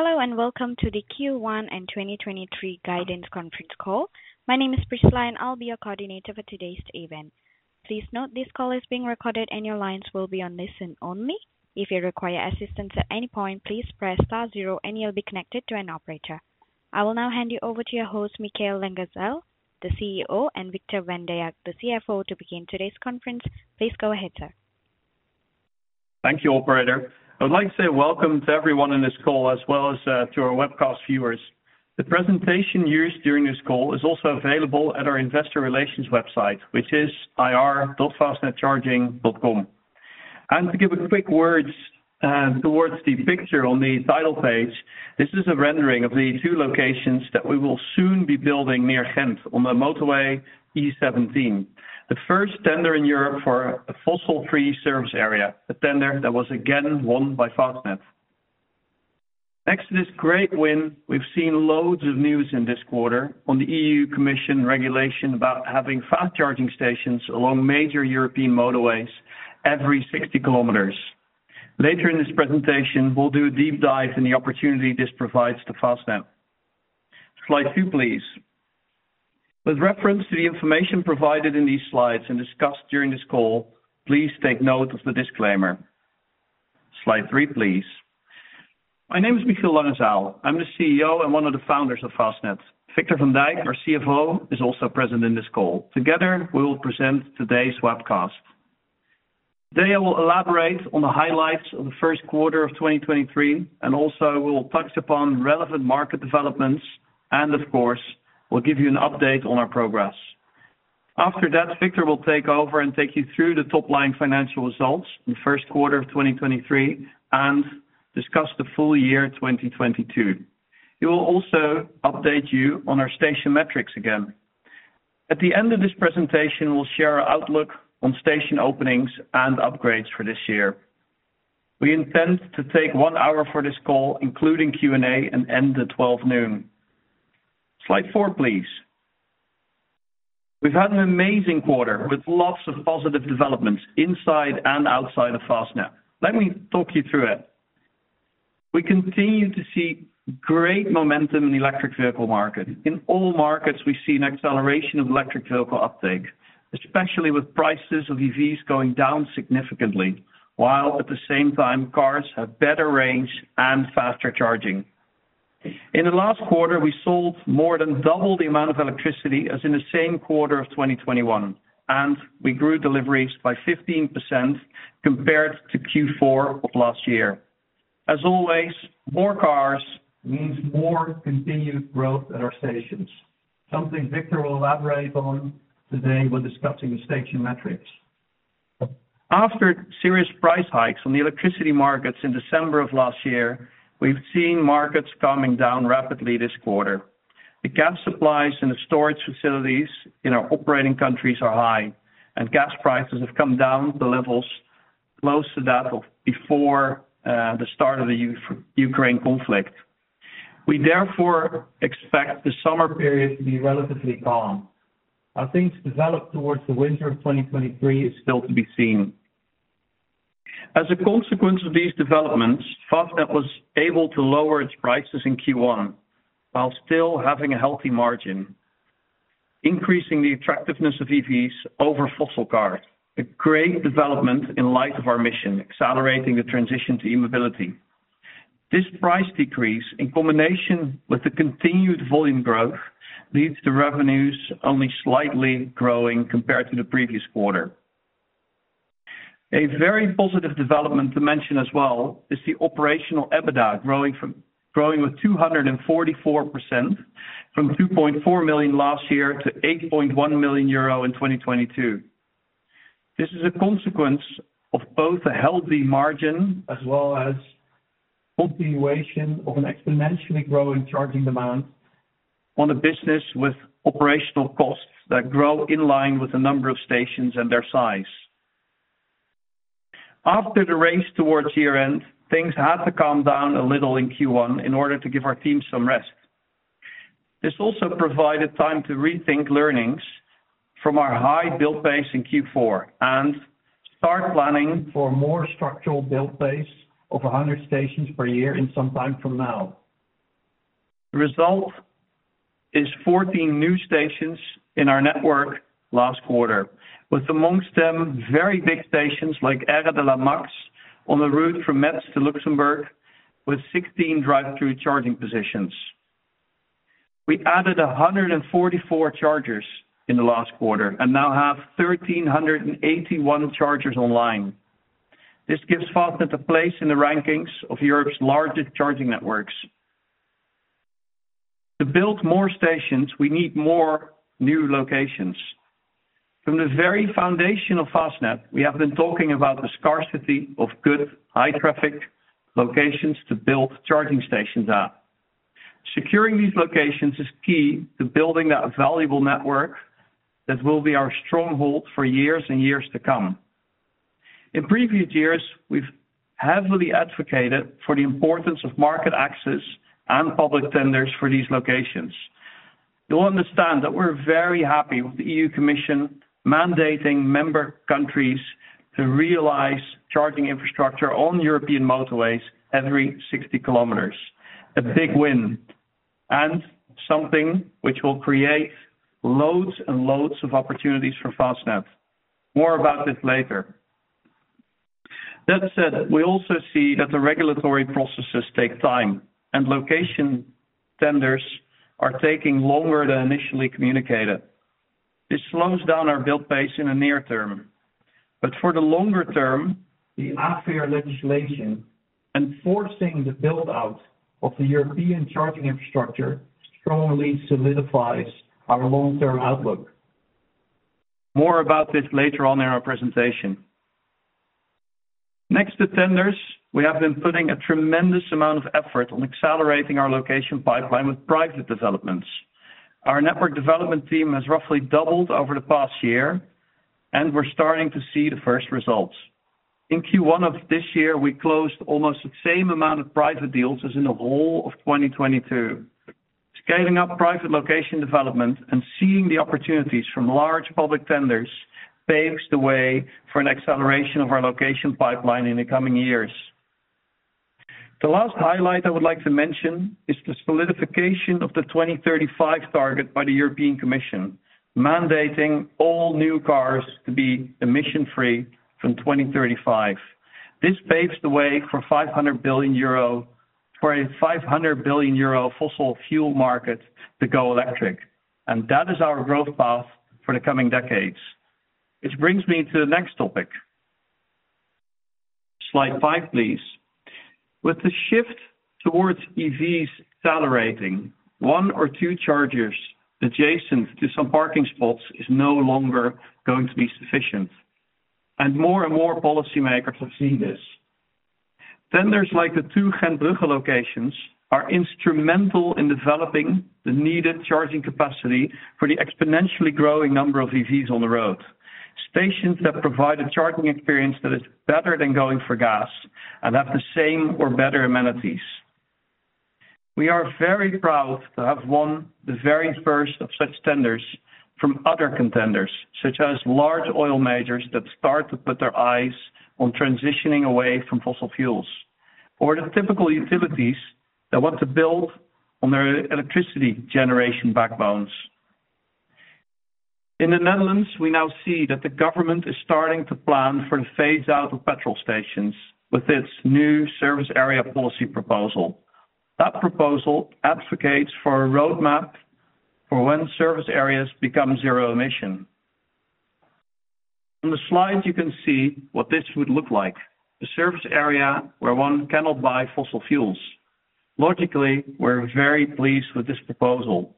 Hello, and welcome to the Q1 and 2023 guidance conference call. My name is Priscilla, and I'll be your coordinator for today's event. Please note this call is being recorded, and your lines will be on listen only. If you require assistance at any point, please press star zero and you'll be connected to an operator. I will now hand you over to your host, Michiel Langezaal, the CEO, and Victor van Dijk, the CFO, to begin today's conference. Please go ahead, sir. Thank you, Operator. I would like to say welcome to everyone on this call, as well as, to our webcast viewers. The presentation used during this call is also available at our investor relations website, which is ir.fastnedcharging.com. To give a quick words towards the picture on the title page, this is a rendering of the two locations that we will soon be building near Ghent on the motorway E17. The first tender in Europe for a fossil-free service area. A tender that was again won by Fastned. Next to this great win, we've seen loads of news in this quarter on the EU Commission regulation about having fast charging stations along major European motorways every 60 km. Later in this presentation, we'll do a deep dive in the opportunity this provides to Fastned. Slide two, please. With reference to the information provided in these slides and discussed during this call, please take note of the disclaimer. Slide three, please. My name is Michiel Langezaal. I'm the CEO and one of the founders of Fastned. Victor van Dijk, our CFO, is also present in this call. Together, we will present today's webcast. Today, I will elaborate on the highlights of the first quarter of 2023, and also we will touch upon relevant market developments and of course, we'll give you an update on our progress. After that, Victor will take over and take you through the top-line financial results in the first quarter of 2023 and discuss the full year 2022. He will also update you on our station metrics again. At the end of this presentation, we'll share our outlook on station openings and upgrades for this year. We intend to take one hour for this call, including Q&A, and end at 12:00 P.M. Slide four, please. We've had an amazing quarter with lots of positive developments inside and outside of Fastned. Let me talk you through it. We continue to see great momentum in the electric vehicle market. In all markets, we see an acceleration of electric vehicle uptake, especially with prices of EVs going down significantly, while at the same time, cars have better range and faster charging. In the last quarter, we sold more than double the amount of electricity as in the same quarter of 2021, and we grew deliveries by 15% compared to Q4 of last year. As always, more cars means more continued growth at our stations. Something Victor will elaborate on today when discussing the station metrics. After serious price hikes on the electricity markets in December of last year, we've seen markets calming down rapidly this quarter. The gas supplies and the storage facilities in our operating countries are high, and gas prices have come down to levels close to that of before the start of the Ukraine conflict. We therefore expect the summer period to be relatively calm. How things develop towards the winter of 2023 is still to be seen. As a consequence of these developments, Fastned was able to lower its prices in Q1 while still having a healthy margin, increasing the attractiveness of EVs over fossil cars. A great development in light of our mission, accelerating the transition to e-mobility. This price decrease, in combination with the continued volume growth, leads to revenues only slightly growing compared to the previous quarter. A very positive development to mention as well is the operational EBITDA growing with 244% from 2.4 million last year to 8.1 million euro in 2022. This is a consequence of both a healthy margin as well as continuation of an exponentially growing charging demand on a business with operational costs that grow in line with the number of stations and their size. After the race towards year-end, things had to calm down a little in Q1 in order to give our team some rest. This also provided time to rethink learnings from our high build pace in Q4 and start planning for a more structural build pace of 100 stations per year in some time from now. The result is 14 new stations in our network last quarter, with amongst them very big stations like Aire de la Maxe on the route from Metz to Luxembourg with 16 drive-through charging positions. We added 144 chargers in the last quarter and now have 1,381 chargers online. This gives Fastned a place in the rankings of Europe's largest charging networks. To build more stations, we need more new locations. From the very foundation of Fastned, we have been talking about the scarcity of good, high-traffic locations to build charging stations at. Securing these locations is key to building that valuable network that will be our stronghold for years and years to come. In previous years, we've heavily advocated for the importance of market access and public tenders for these locations. You'll understand that we're very happy with the EU Commission mandating member countries to realize charging infrastructure on European motorways every 60 km. A big win, something which will create loads and loads of opportunities for Fastned. More about this later. That said, we also see that the regulatory processes take time, location tenders are taking longer than initially communicated. This slows down our build pace in the near term, but for the longer term, the AFIR legislation, enforcing the build-out of the European charging infrastructure, strongly solidifies our long-term outlook. More about this later on in our presentation. Next to tenders, we have been putting a tremendous amount of effort on accelerating our location pipeline with private developments. Our network development team has roughly doubled over the past year, we're starting to see the first results. In Q1 of this year, we closed almost the same amount of private deals as in the whole of 2022. Scaling up private location development and seeing the opportunities from large public tenders paves the way for an acceleration of our location pipeline in the coming years. The last highlight I would like to mention is the solidification of the 2035 target by the European Commission, mandating all new cars to be emission-free from 2035. This paves the way for a 500 billion euro fossil fuel market to go electric, and that is our growth path for the coming decades, which brings me to the next topic. Slide five, please. With the shift towards EVs accelerating, one or two chargers adjacent to some parking spots is no longer going to be sufficient, and more and more policymakers have seen this. Tenders like the two Gentbrugge locations are instrumental in developing the needed charging capacity for the exponentially growing number of EVs on the road. Stations that provide a charging experience that is better than going for gas and have the same or better amenities. We are very proud to have won the very first of such tenders from other contenders, such as large oil majors that start to put their eyes on transitioning away from fossil fuels, or the typical utilities that want to build on their electricity generation backbones. In the Netherlands, we now see that the government is starting to plan for the phase-out of petrol stations with its new service area policy proposal. That proposal advocates for a roadmap for when service areas become zero emission. On the slide, you can see what this would look like. A service area where one cannot buy fossil fuels. Logically, we're very pleased with this proposal.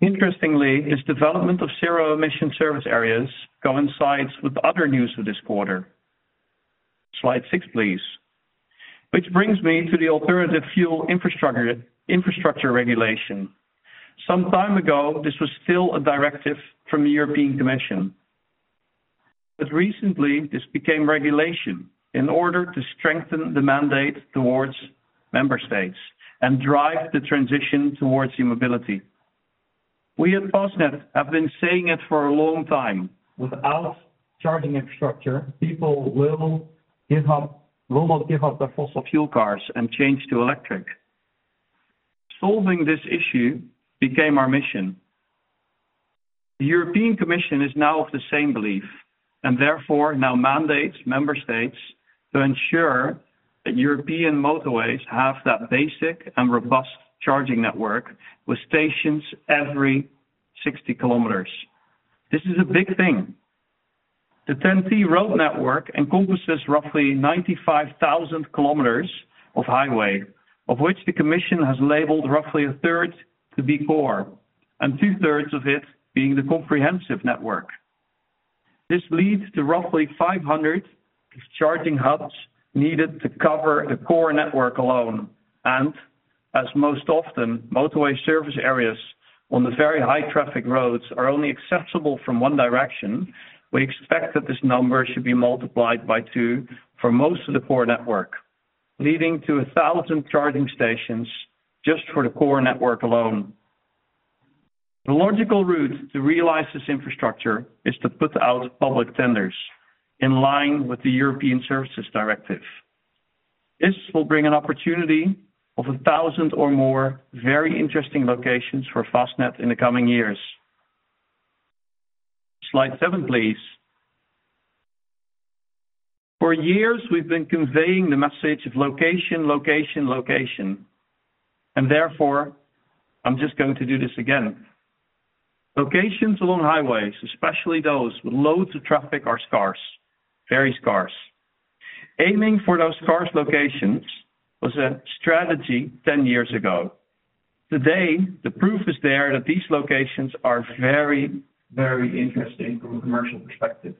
Interestingly, its development of zero-emission service areas coincides with other news for this quarter. Slide six, please. Which brings me to the Alternative Fuels Infrastructure Regulation. Some time ago, this was still a directive from the European Commission. Recently, this became regulation in order to strengthen the mandate towards member states and drive the transition towards e-mobility. We at Fastned have been saying it for a long time, without charging infrastructure, people will not give up their fossil fuel cars and change to electric. Solving this issue became our mission. The European Commission is now of the same belief, therefore now mandates member states to ensure that European motorways have that basic and robust charging network with stations every 60 km. This is a big thing. The TEN-T road network encompasses roughly 95,000 km of highway, of which the commission has labeled roughly 1/3 to be core, and 2/3 of it being the comprehensive network. This leads to roughly 500 charging hubs needed to cover the core network alone. As most often, motorway service areas on the very high-traffic roads are only accessible from one direction. We expect that this number should be multiplied by two for most of the core network, leading to 1,000 charging stations just for the core network alone. The logical route to realize this infrastructure is to put out public tenders in line with the European Services Directive. This will bring an opportunity of 1,000 or more very interesting locations for Fastned in the coming years. Slide seven, please. Therefore, I'm just going to do this again. Locations along highways, especially those with loads of traffic, are scarce, very scarce. Aiming for those scarce locations was a strategy 10 years ago. Today, the proof is there that these locations are very, very interesting from a commercial perspective.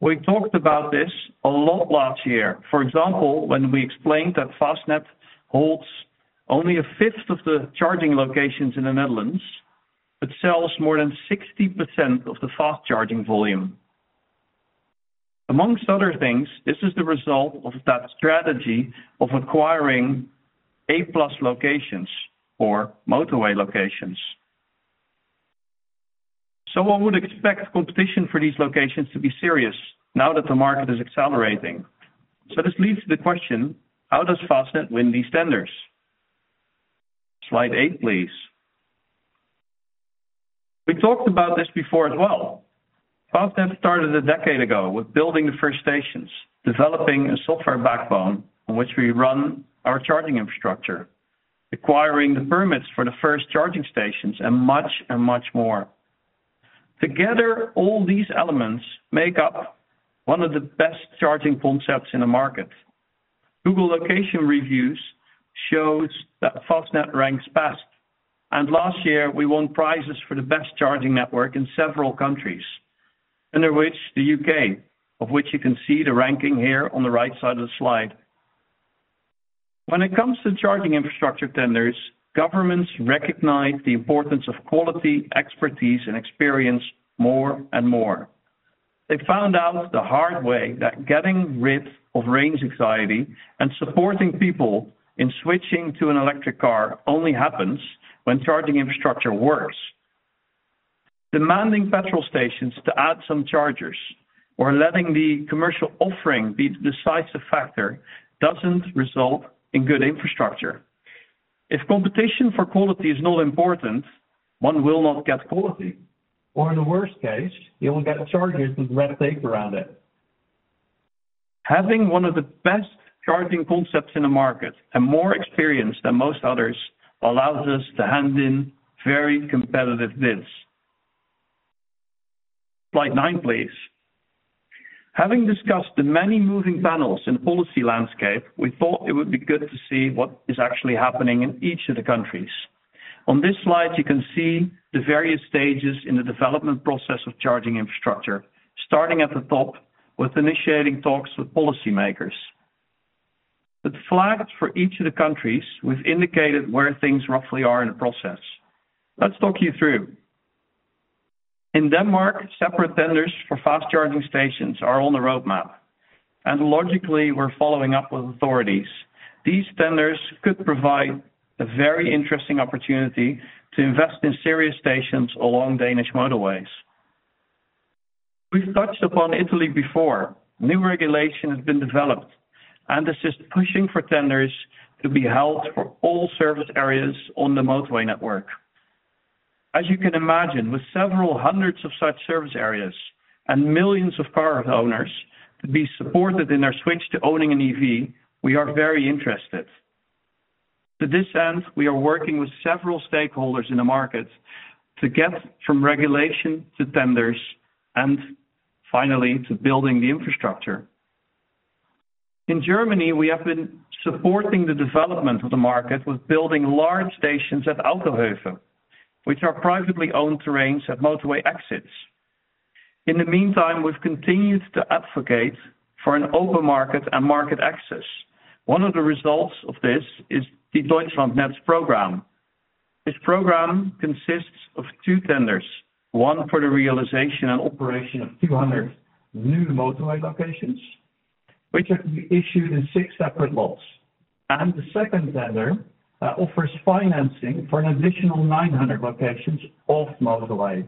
We talked about this a lot last year. For example, when we explained that Fastned holds only a fifth of the charging locations in the Netherlands, but sells more than 60% of the fast-charging volume. Among other things, this is the result of that strategy of acquiring A plus locations or motorway locations. One would expect competition for these locations to be serious now that the market is accelerating. This leads to the question, how does Fastned win these tenders? Slide eight, please. We talked about this before as well. Fastned started a decade ago with building the first stations, developing a software backbone on which we run our charging infrastructure, acquiring the permits for the first charging stations and much more. Together, all these elements make up one of the best charging concepts in the market. Google Location Reviews shows that Fastned ranks best, and last year we won prizes for the best charging network in several countries, under which the U.K., of which you can see the ranking here on the right side of the slide. When it comes to charging infrastructure tenders, governments recognize the importance of quality, expertise and experience more and more. They found out the hard way that getting rid of range anxiety and supporting people in switching to an electric car only happens when charging infrastructure works. Demanding petrol stations to add some chargers or letting the commercial offering be the decisive factor doesn't result in good infrastructure. If competition for quality is not important, one will not get quality. In the worst case, you will get chargers with red tape around it. Having one of the best charging concepts in the market and more experience than most others allows us to hand in very competitive bids. Slide nine, please. Having discussed the many moving panels in policy landscape, we thought it would be good to see what is actually happening in each of the countries. On this slide, you can see the various stages in the development process of charging infrastructure, starting at the top with initiating talks with policymakers. The flags for each of the countries, we've indicated where things roughly are in the process. Let's talk you through. In Denmark, separate tenders for fast charging stations are on the roadmap, and logically, we're following up with authorities. These tenders could provide a very interesting opportunity to invest in serious stations along Danish motorways. We've touched upon Italy before. New regulation has been developed, and this is pushing for tenders to be held for all service areas on the motorway network. As you can imagine, with several hundreds of such service areas and millions of car owners to be supported in their switch to owning an EV, we are very interested. To this end, we are working with several stakeholders in the market to get from regulation to tenders and finally to building the infrastructure. In Germany, we have been supporting the development of the market with building large stations at Autohof, which are privately owned terrains at motorway exits. In the meantime, we've continued to advocate for an open market and market access. One of the results of this is the Deutschlandnetz program. This program consists of two tenders, one for the realization and operation of 200 new motorway locations, which are to be issued in six separate lots. The second tender offers financing for an additional 900 locations off motorway.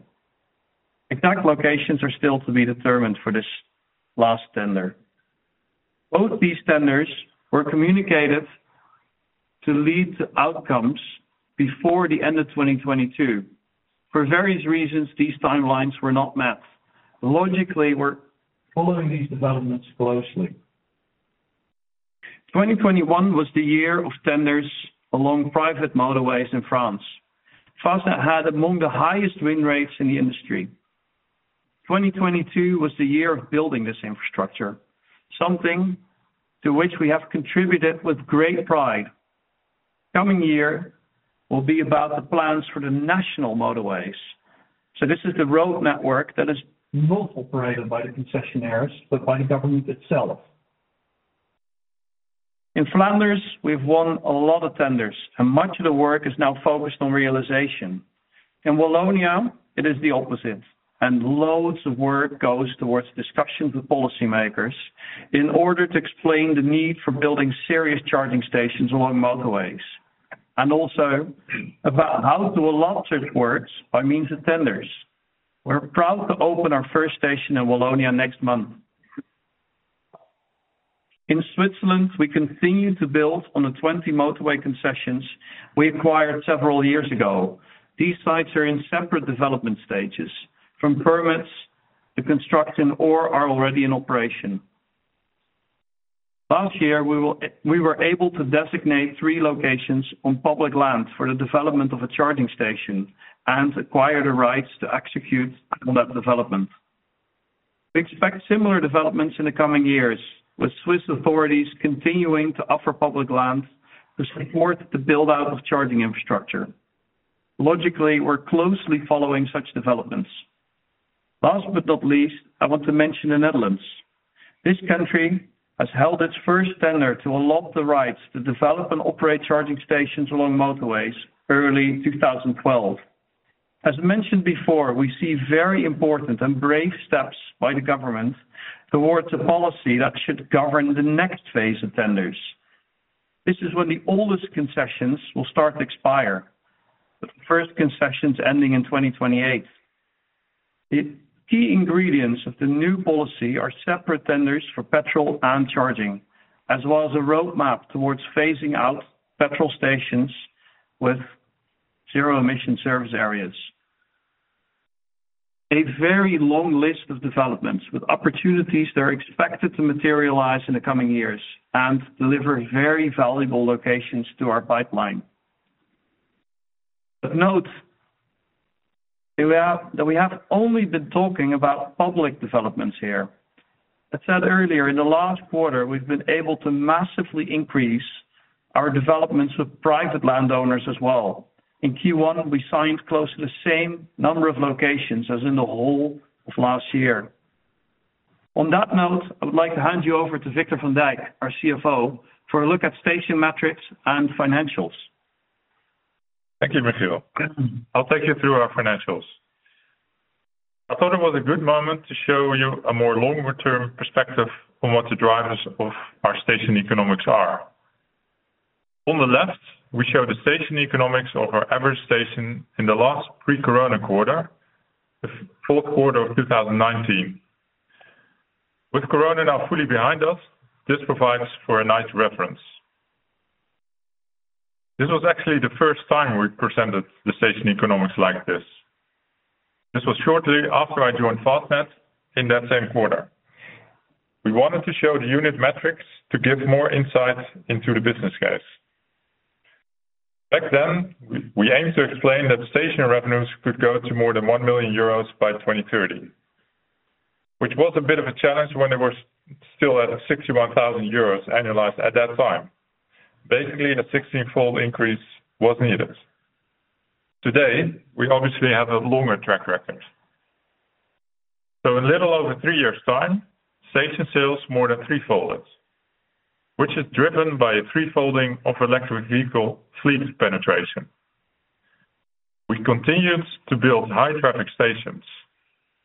Exact locations are still to be determined for this last tender. Both these tenders were communicated to lead to outcomes before the end of 2022. For various reasons, these timelines were not met. Logically, we're following these developments closely. 2021 was the year of tenders along private motorways in France. Fastned had among the highest win rates in the industry. 2022 was the year of building this infrastructure, something to which we have contributed with great pride. Coming year will be about the plans for the national motorways. This is the road network that is not operated by the concessionaires, but by the government itself. In Flanders, we've won a lot of tenders and much of the work is now focused on realization. In Wallonia, it is the opposite, and loads of work goes towards discussions with policymakers in order to explain the need for building serious charging stations along motorways, and also about how to launch it works by means of tenders. We're proud to open our first station in Wallonia next month. In Switzerland, we continue to build on the 20 motorway concessions we acquired several years ago. These sites are in separate development stages, from permits to construction, or are already in operation. Last year, we were able to designate three locations on public land for the development of a charging station and acquire the rights to execute on that development. We expect similar developments in the coming years, with Swiss authorities continuing to offer public land to support the build-out of charging infrastructure. Logically, we're closely following such developments. Last but not least, I want to mention the Netherlands. This country has held its first tender to allot the rights to develop and operate charging stations along motorways early 2012. As mentioned before, we see very important and brave steps by the government towards a policy that should govern the next phase of tenders. This is when the oldest concessions will start to expire, with the first concessions ending in 2028. The key ingredients of the new policy are separate tenders for petrol and charging, as well as a roadmap towards phasing out petrol stations with zero emission service areas. A very long list of developments with opportunities that are expected to materialize in the coming years and deliver very valuable locations to our pipeline. Note, we have only been talking about public developments here. I said earlier, in the last quarter, we've been able to massively increase our developments with private landowners as well. In Q1, we signed close to the same number of locations as in the whole of last year. On that note, I would like to hand you over to Victor van Dijk, our CFO, for a look at station metrics and financials. Thank you, Michiel. I'll take you through our financials. I thought it was a good moment to show you a more longer term perspective on what the drivers of our station economics are. On the left, we show the station economics of our average station in the last pre-Corona quarter, the fourth quarter of 2019. With corona now fully behind us, this provides for a nice reference. This was actually the first time we presented the station economics like this. This was shortly after I joined Fastned in that same quarter. We wanted to show the unit metrics to give more insight into the business case. Back then, we aimed to explain that station revenues could go to more than 1 million euros by 2030. Which was a bit of a challenge when it was still at 61,000 euros annualized at that time. Basically, a 16-fold increase was needed. Today, we obviously have a longer track record. In little over three years' time, station sales more than three-folded, which is driven by a three-folding of electric vehicle fleet penetration. We continued to build high traffic stations,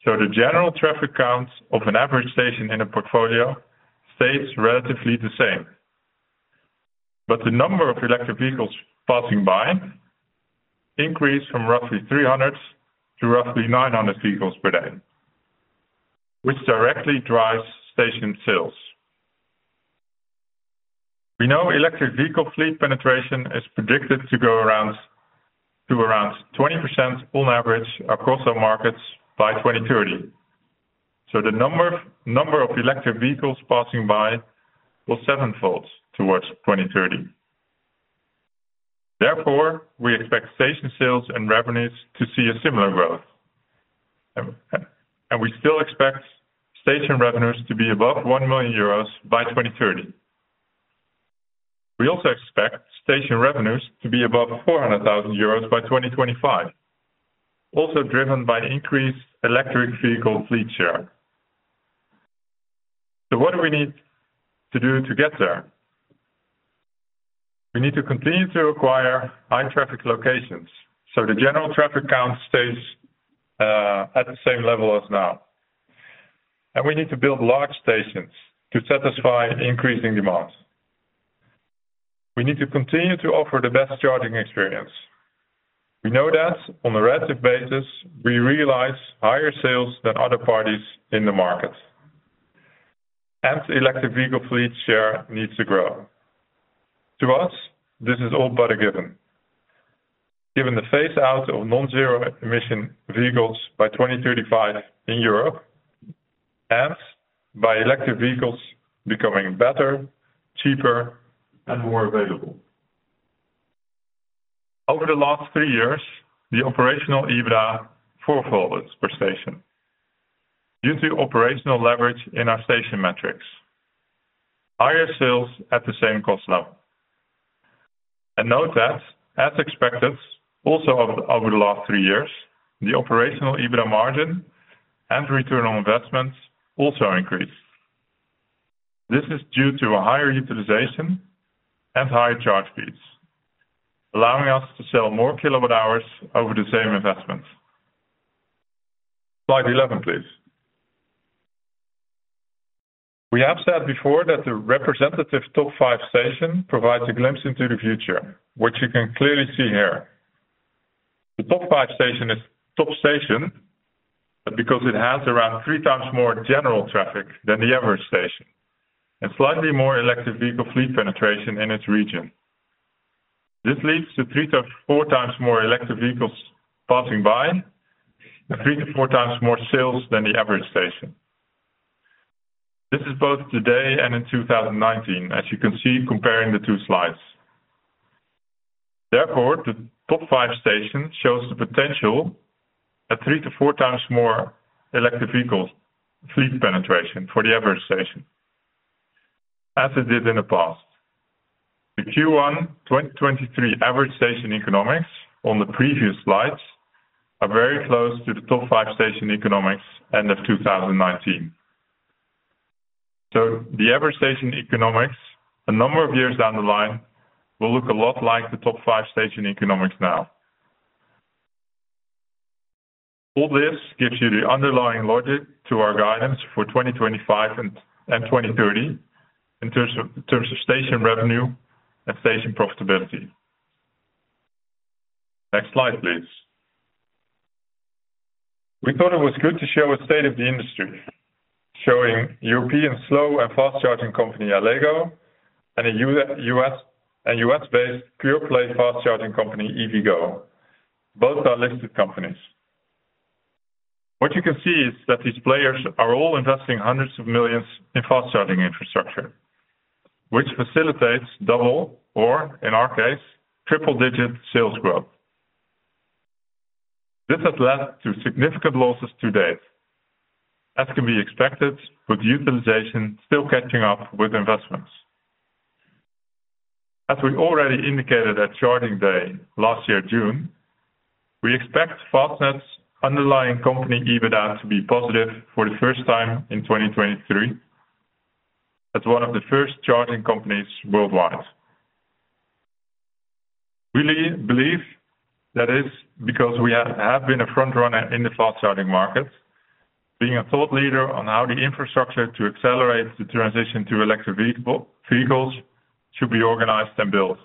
the general traffic counts of an average station in a portfolio stays relatively the same. The number of electric vehicles passing by increased from roughly 300 to roughly 900 vehicles per day, which directly drives station sales. We know electric vehicle fleet penetration is predicted to around 20% on average across our markets by 2030. The number of electric vehicles passing by will seven-fold towards 2030. Therefore, we expect station sales and revenues to see a similar growth. We still expect station revenues to be above 1 million euros by 2030. We also expect station revenues to be above 400,000 euros by 2025, also driven by increased electric vehicle fleet share. What do we need to do to get there? We need to continue to acquire high traffic locations, so the general traffic count stays at the same level as now. We need to build large stations to satisfy increasing demands. We need to continue to offer the best charging experience. We know that on a relative basis, we realize higher sales than other parties in the market. Electric vehicle fleet share needs to grow. To us, this is all but a given. Given the phase out of non-zero emission vehicles by 2035 in Europe, and by electric vehicles becoming better, cheaper, and more available. Over the last three years, the operational EBITDA four-folded per station due to operational leverage in our station metrics. Higher sales at the same cost level. Note that, as expected, also over the last three years, the operational EBITDA margin and return on investment also increased. This is due to a higher utilization and higher charge fees, allowing us to sell more kilowatt hours over the same investment. Slide 11, please. We have said before that the representative top five station provides a glimpse into the future, which you can clearly see here. The top five station is top station because it has around three times more general traffic than the average station, and slightly more electric vehicle fleet penetration in its region. This leads to three to four times more electric vehicles passing by and three to four times more sales than the average station. This is both today and in 2019, as you can see comparing the two slides. The top five station shows the potential at three to four times more electric vehicles fleet penetration for the average station. As it did in the past. The Q1 2023 average station economics on the previous slides are very close to the top five station economics end of 2019. The average station economics, a number of years down the line, will look a lot like the top five station economics now. All this gives you the underlying logic to our guidance for 2025 and 2030 in terms of station revenue and station profitability. Next slide, please. We thought it was good to show a state of the industry, showing European slow and fast charging company Allego and a U.S.-based pure-play fast charging company, EVgo. Both are listed companies. What you can see is that these players are all investing hundreds of millions in fast charging infrastructure, which facilitates double, or in our case, triple digit sales growth. This has led to significant losses to date, as can be expected, with utilization still catching up with investments. As we already indicated at Charging Day last year, June, we expect Fastned's underlying company EBITDA to be positive for the first time in 2023. That's one of the first charging companies worldwide. Really believe that is because we have been a front runner in the fast charging market, being a thought leader on how the infrastructure to accelerate the transition to electric vehicles should be organized and built.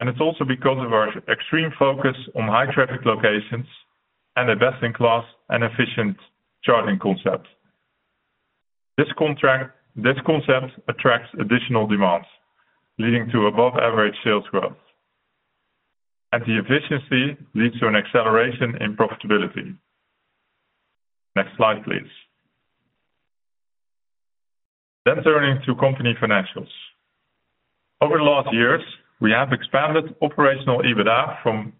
It's also because of our extreme focus on high-traffic locations and a best-in-class and efficient charging concept. This concept attracts additional demands, leading to above average sales growth. The efficiency leads to an acceleration in profitability. Next slide, please. Turning to company financials. Over the last years, we have expanded operational EBITDA from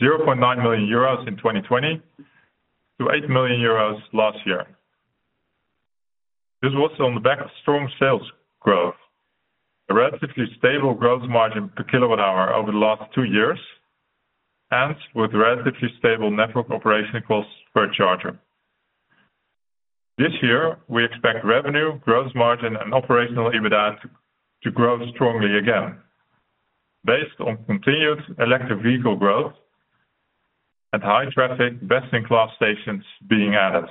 0.9 million euros in 2020 to 8 million euros last year. This was on the back of strong sales growth, a relatively stable growth margin per kilowatt hour over the last two years, and with relatively stable network operational costs per charger. This year, we expect revenue, growth margin, and operational EBITDA to grow strongly again based on continued electric vehicle growth and high traffic best-in-class stations being added.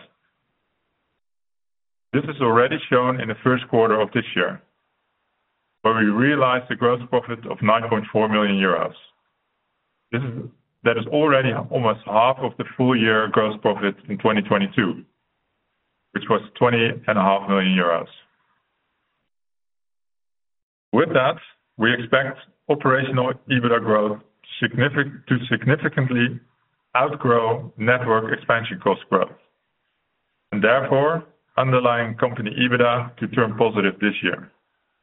This is already shown in the first quarter of this year, where we realized a gross profit of 9.4 million euros. That is already almost half of the full year gross profit in 2022, which was EUR 20.5 million. With that, we expect operational EBITDA growth to significantly outgrow network expansion cost growth, and therefore underlying company EBITDA to turn positive this year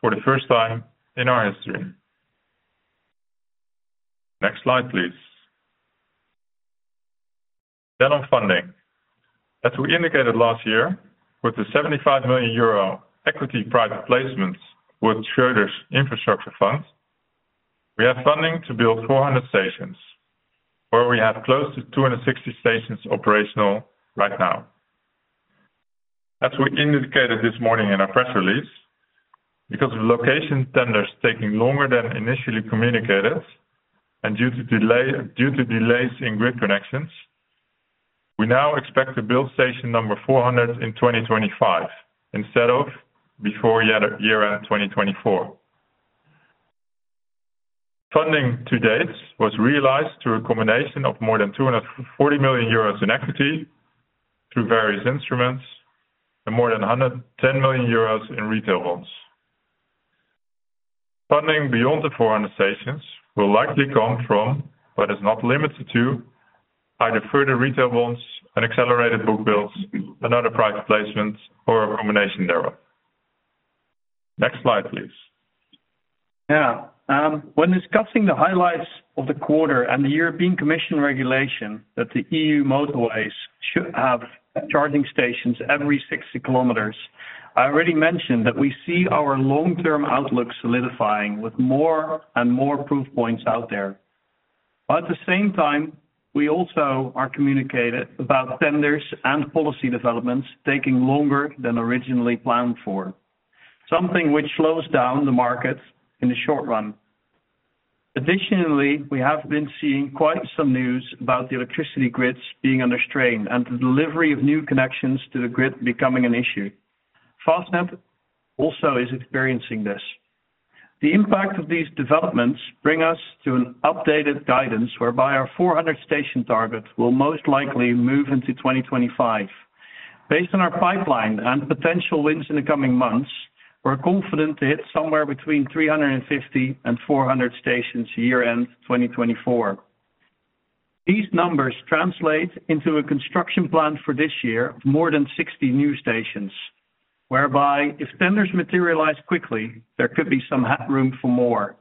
for the first time in our history. Next slide, please. On funding. As we indicated last year, with the 75 million euro equity private placements with Schroders Infrastructure Funds, we have funding to build 400 stations, where we have close to 260 stations operational right now. As we indicated this morning in our press release, because of location tenders taking longer than initially communicated and due to delays in grid connections, we now expect to build station number 400 in 2025 instead of before year-end 2024. Funding to date was realized through a combination of more than 240 million euros in equity through various instruments and more than 110 million euros in retail loans. Funding beyond the 400 stations will likely come from, but is not limited to, either further retail loans and accelerated book builds, another private placement or a combination thereof. Next slide, please. When discussing the highlights of the quarter and the European Commission regulation that the EU motorways should have charging stations every 60 km, I already mentioned that we see our long-term outlook solidifying with more and more proof points out there. At the same time, we also are communicated about tenders and policy developments taking longer than originally planned for, something which slows down the market in the short run. Additionally, we have been seeing quite some news about the electricity grids being under strain and the delivery of new connections to the grid becoming an issue. Fastned also is experiencing this. The impact of these developments bring us to an updated guidance whereby our 400 station target will most likely move into 2025. Based on our pipeline and potential wins in the coming months, we're confident to hit somewhere between 350 and 400 stations year-end 2024. These numbers translate into a construction plan for this year of more than 60 new stations, whereby if tenders materialize quickly, there could be some headroom for more.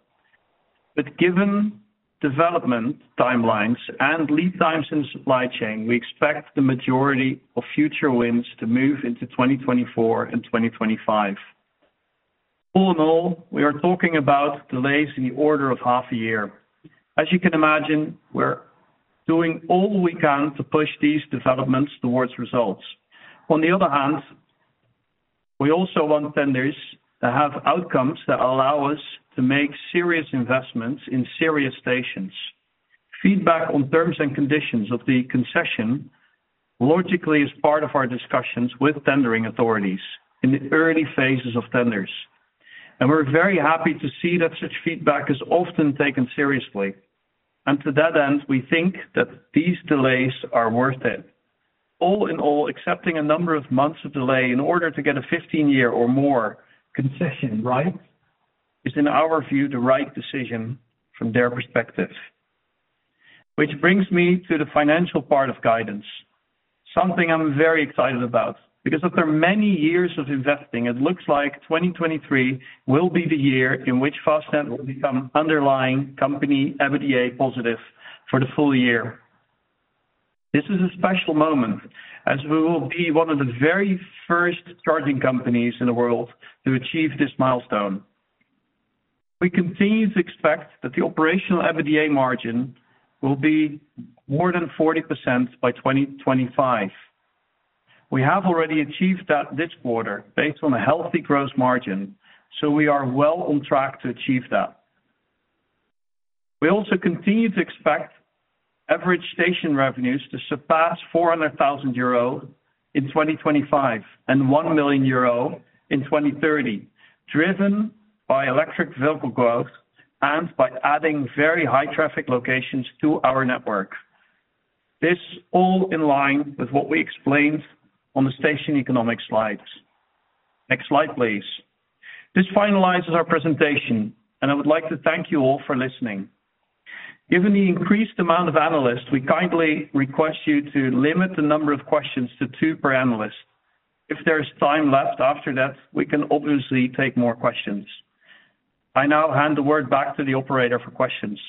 Given development timelines and lead times in supply chain, we expect the majority of future wins to move into 2024 and 2025. All in all, we are talking about delays in the order of half a year. As you can imagine, we're doing all we can to push these developments towards results. On the other hand, we also want tenders that have outcomes that allow us to make serious investments in serious stations. Feedback on terms and conditions of the concession, logically, is part of our discussions with tendering authorities in the early phases of tenders. We're very happy to see that such feedback is often taken seriously. To that end, we think that these delays are worth it. All in all, accepting a number of months of delay in order to get a 15-year or more concession right is, in our view, the right decision from their perspective. Which brings me to the financial part of guidance, something I'm very excited about. After many years of investing, it looks like 2023 will be the year in which Fastned will become underlying company EBITDA positive for the full year. This is a special moment as we will be one of the very first charging companies in the world to achieve this milestone. We continue to expect that the operational EBITDA margin will be more than 40% by 2025. We have already achieved that this quarter based on a healthy gross margin. We are well on track to achieve that. We also continue to expect average station revenues to surpass 400,000 euro in 2025 and 1 million euro in 2030, driven by electric vehicle growth and by adding very high traffic locations to our network. This all in line with what we explained on the station economic slides. Next slide, please. This finalizes our presentation, and I would like to thank you all for listening. Given the increased amount of analysts, we kindly request you to limit the number of questions to two per analyst. If there is time left after that, we can obviously take more questions. I now hand the word back to the Operator for questions.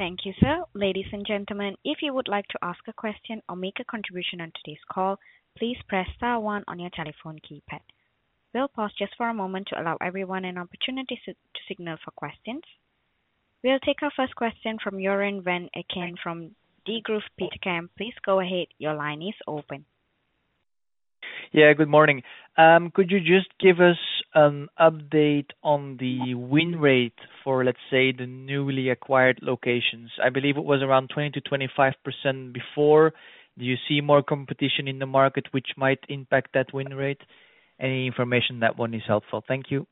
Thank you, sir. Ladies and gentlemen, if you would like to ask a question or make a contribution on today's call, please press star one on your telephone keypad. We'll pause just for a moment to allow everyone an opportunity to signal for questions. We'll take our first question from Joren Van Aken from Degroof Petercam. Please go ahead. Your line is open. Yeah, good morning. Could you just give us an update on the win rate for, let's say, the newly acquired locations? I believe it was around 20%-25% before. Do you see more competition in the market which might impact that win rate? Any information on that one is helpful. Thank you.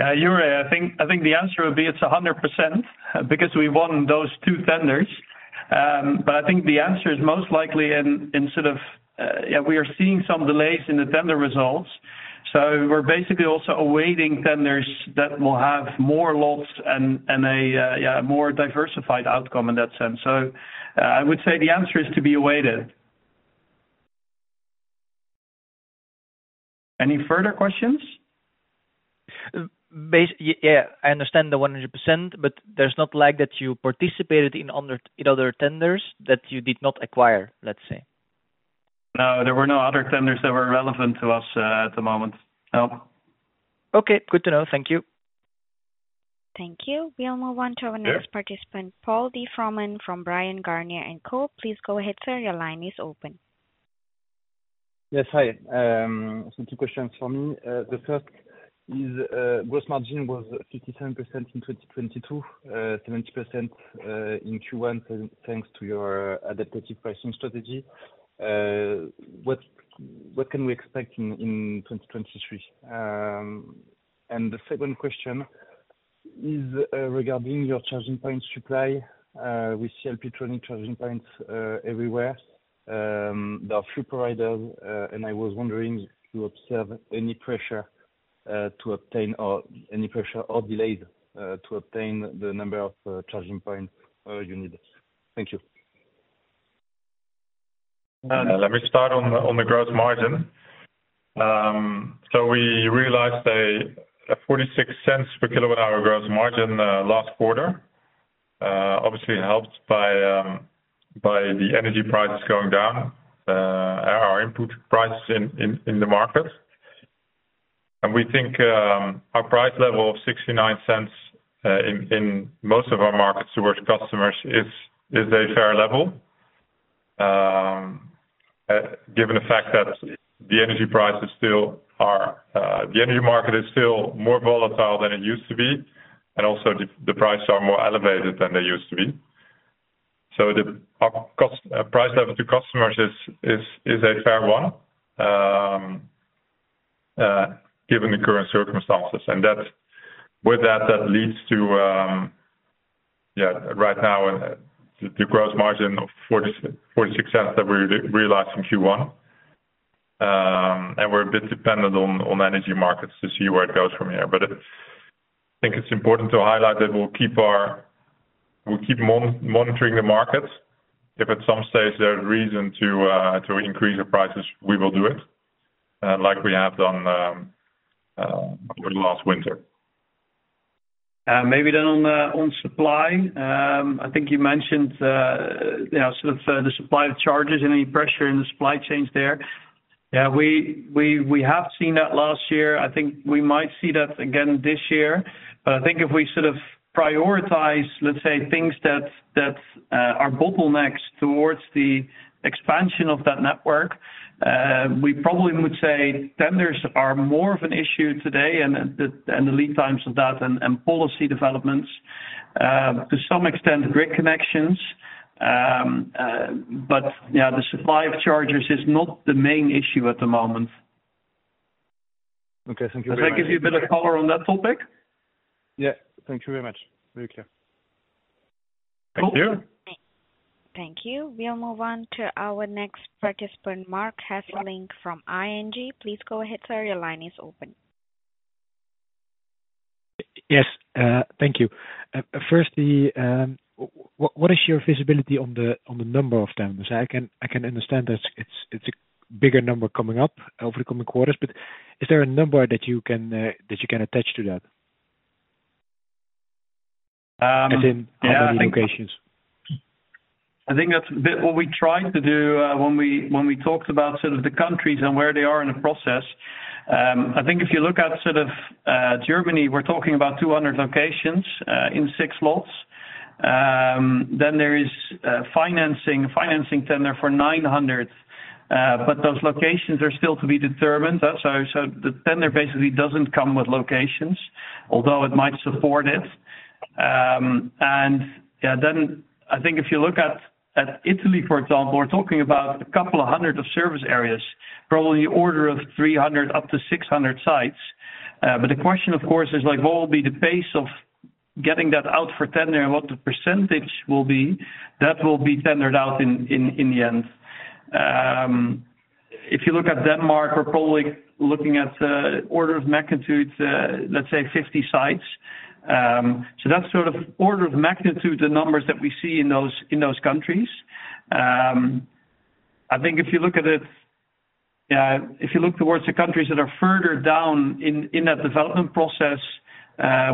Joren, I think the answer would be it's 100% because we won those two tenders. I think the answer is most likely in sort of, we are seeing some delays in the tender results. We're basically also awaiting tenders that will have more lots and a more diversified outcome in that sense. I would say the answer is to be awaited. Any further questions? Yeah, I understand the 100%, but there's not like that you participated in other, in other tenders that you did not acquire, let's say. No, there were no other tenders that were relevant to us at the moment. No. Okay. Good to know. Thank you. Thank you. We'll move on to our next participant, Paul de Froment from Bryan, Garnier & Co. Please go ahead, sir. Your line is open. Yes. Hi. Two questions from me. The first is, gross margin was 57% in 2022, 70% in Q1, thanks to your adaptive pricing strategy. What can we expect in 2023? The second question is regarding your charging points supply. We see Alpitronic charging points everywhere. There are a few providers, I was wondering if you observe any pressure or delays to obtain the number of charging points you need. Thank you. Let me start on the gross margin. We realized 0.46 per kWh gross margin last quarter. Obviously helped by the energy prices going down, our input price in the market. We think our price level of 0.69 in most of our markets towards customers is a fair level. Given the fact that the energy market is still more volatile than it used to be, and also the prices are more elevated than they used to be. Our cost price level to customers is a fair one given the current circumstances. With that leads to right now the gross margin of 0.46 that we realized from Q1. We're a bit dependent on energy markets to see where it goes from here. I think it's important to highlight that we'll keep monitoring the markets. If at some stage there's reason to increase the prices, we will do it like we have done over the last winter. Maybe then on supply. I think you mentioned, you know, sort of the supply of chargers, any pressure in the supply chains there. Yeah, we have seen that last year. I think we might see that again this year. I think if we sort of prioritize, let's say things that are bottlenecks towards the expansion of that network, we probably would say tenders are more of an issue today and the lead times of that and policy developments, to some extent, grid connections. Yeah, the supply of chargers is not the main issue at the moment. Okay. Thank you very much. Does that give you a bit of color on that topic? Yeah. Thank you very much. Very clear. Cool. Thank you. Thank you. We'll move on to our next participant, Marc Hesselink from ING. Please go ahead, sir. Your line is open. Yes, thank you. Firstly, what is your visibility on the number of tenders? I can understand that it's a bigger number coming up over the coming quarters, but is there a number that you can attach to that? Yeah. As in how many locations. I think that's a bit what we tried to do when we talked about sort of the countries and where they are in the process. I think if you look at sort of Germany, we're talking about 200 locations in six lots. Then there is financing tender for 900, but those locations are still to be determined. The tender basically doesn't come with locations, although it might support it. Then I think if you look at Italy, for example, we're talking about a couple of hundred of service areas, probably order of 300 up to 600 sites. The question, of course, is like what will be the pace of getting that out for tender and what the percentage will be. That will be tendered out in the end. If you look at Denmark, we're probably looking at order of magnitude, let's say 50 sites. That's sort of order of magnitude, the numbers that we see in those countries. I think if you look at it, if you look towards the countries that are further down in that development process,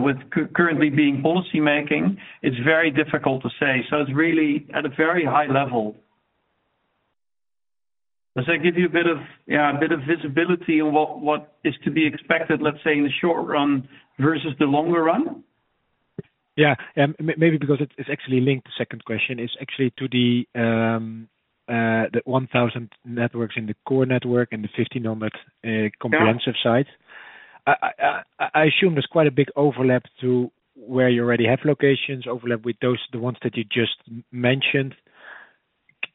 with currently being policymaking, it's very difficult to say. It's really at a very high level. Does that give you a bit of visibility on what is to be expected, let's say, in the short run versus the longer run? Yeah. maybe because it's actually linked to second question. It's actually to the 1,000 networks in the core network and the 50 in all that comprehensive sites. I assume there's quite a big overlap to where you already have locations, overlap with those, the ones that you just mentioned.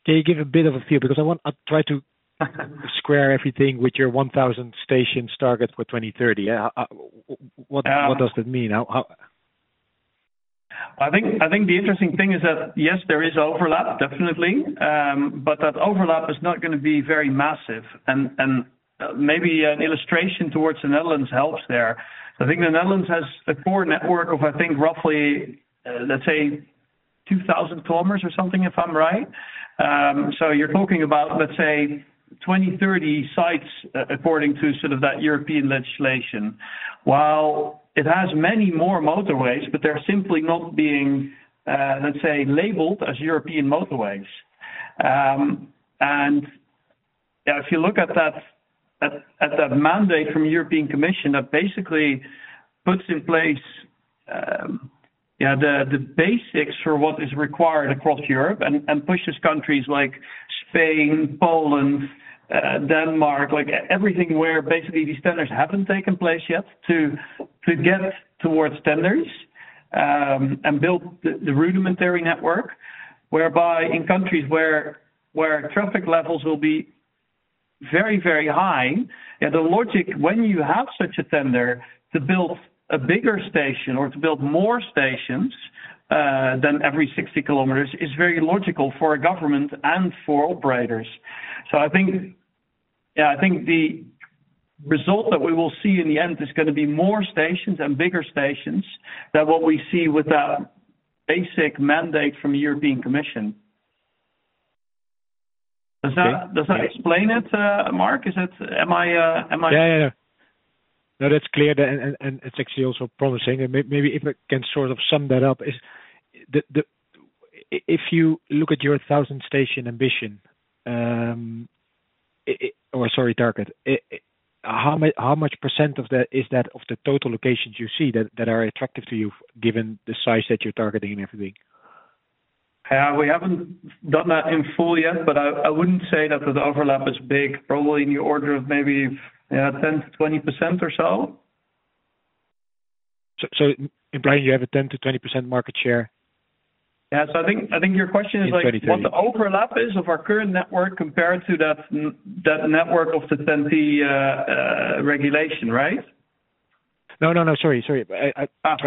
Can you give a bit of a feel? Because I try to square everything with your 1,000 stations target for 2030. What does that mean? How? I think the interesting thing is that, yes, there is overlap, definitely. But that overlap is not gonna be very massive. Maybe an illustration towards the Netherlands helps there. I think the Netherlands has a core network of, I think, roughly, let's say 2,000 km or something, if I'm right. You're talking about, let's say, 20, 30 sites according to sort of that European legislation. While it has many more motorways, but they're simply not being, let's say, labeled as European motorways. If you look at that mandate from European Commission, that basically puts in place the basics for what is required across Europe and pushes countries like Spain, Poland, Denmark, everything where basically these tenders haven't taken place yet to get towards tenders, and build the rudimentary network, whereby in countries where traffic levels will be very, very high. The logic when you have such a tender to build a bigger station or to build more stations than every 60 km is very logical for a government and for operators. I think the result that we will see in the end is gonna be more stations and bigger stations than what we see with the basic mandate from the European Commission. Does that? Okay. Does that explain it, Marc? Is it... Am I? Yeah, yeah. No, that's clear. It's actually also promising. Maybe if I can sort of sum that up, is the If you look at your 1,000 station ambition, or sorry, target. How much percent of that is that of the total locations you see that are attractive to you given the size that you're targeting and everything? Yeah. We haven't done that in full yet, but I wouldn't say that the overlap is big, probably in the order of maybe, yeah, 10%-20% or so. Implying you have a 10%-20% market share. Yeah. I think your question is like. What the overlap is of our current network compared to that network of the TEN-T regulation, right? No, no, sorry. I'm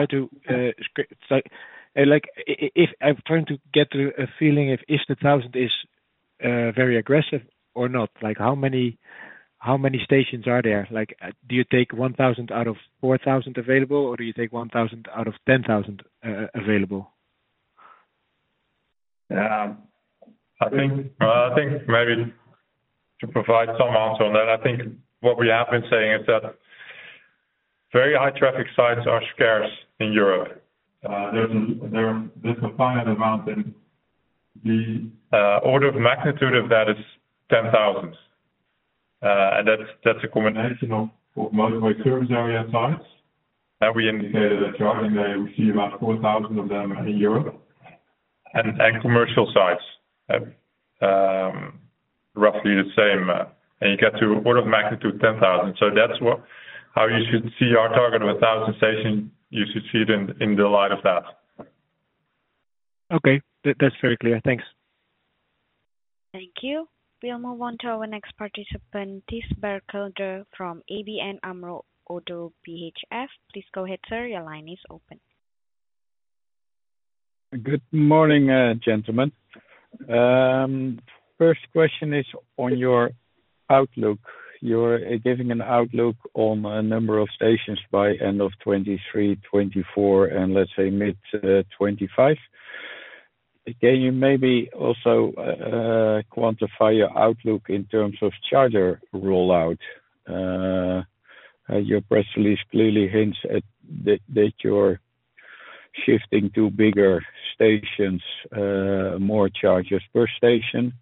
trying to get a feeling if the 1,000 is very aggressive or not? How many stations are there? Do you take 1,000 out of 4,000 available, or do you take 1,000 out of 10,000 available? Maybe to provide some answer on that, what we have been saying is that very high traffic sites are scarce in Europe. There's a finite amount, the order of magnitude of that is 10,000. That's a combination of both motorway service area sites that we indicated at Charging Day. They receive about 4,000 of them in Europe and commercial sites. Roughly the same. You get to order of magnitude 10,000. That's how you should see our target of 1,000 stations. You should see it in the light of that. Okay. That's very clear. Thanks. Thank you. We'll move on to our next participant, Thijs Berkelder from ABN AMRO ODDO BHF. Please go ahead, sir. Your line is open. Good morning, gentlemen. First question is on your outlook. You're giving an outlook on a number of stations by end of 2023, 2024 and let's say mid-2025. Can you maybe also quantify your outlook in terms of charger rollout? Your press release clearly hints at that you're shifting to bigger stations, more chargers per station.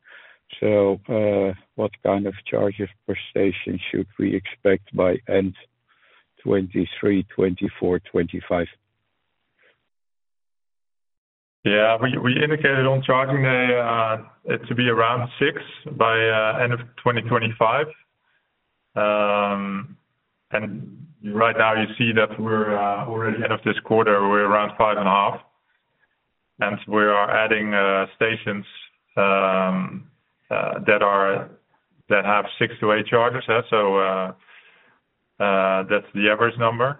What kind of chargers per station should we expect by end 2023, 2024, 2025? Yeah. We indicated on Charging Day, it to be around six by end of 2025. Right now you see that we're at end of this quarter, we're around five and a half. We are adding stations that have six to eight chargers. So that's the average number.